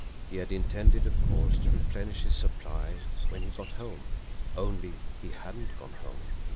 He had intended, of course, to replenish his supply when he got home. Only he hadn't gone home!